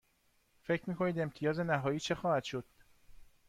فکر می کنید امتیاز نهایی چه خواهد شد؟